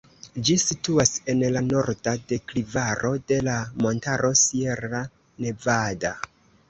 Ĝi situas en la norda deklivaro de la montaro Sierra Nevada.